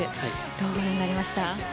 どのようにご覧になりましたか。